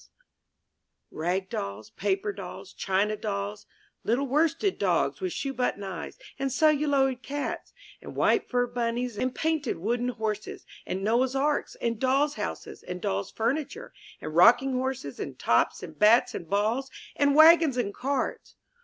MY BOOK HOUSE Rag dolls, paper dolls, china dolls, little worsted dogs with shoebutton eyes, and celluloid cats, and white fur bunnies, and painted wooden horses, and Noah^s arks, and dolls' houses, and dolls' furniture, and rocking horses, and tops, and bats, and balls, and wagons, and carts!